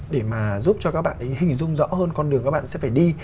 để mà giúp cho các bạn ấy hình dung rõ hơn con đường các bạn sẽ phải đi